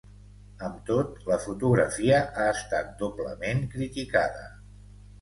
Amb tot, la fotografia ha estat doblement criticada.